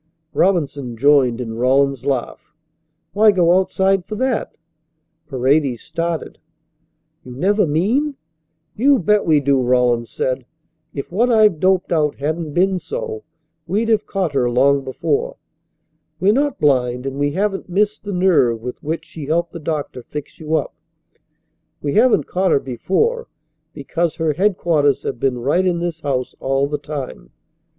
Robinson joined in Rawlins's laugh. "Why go outside for that?" Paredes started. "You never mean " "You bet we do," Rawlins said. "If what I've doped out hadn't been so we'd have caught her long before. We're not blind, and we haven't missed the nerve with which she helped the doctor fix you up. We haven't caught her before because her headquarters have been right in this house all the time.